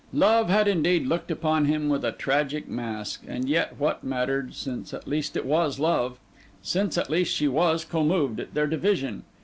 Love had indeed looked upon him with a tragic mask; and yet what mattered, since at least it was love—since at least she was commoved at their division?